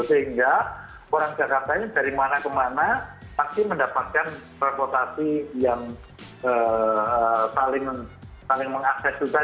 sehingga orang jakarta ini dari mana ke mana pasti mendapatkan terampotasi yang paling mengakses juga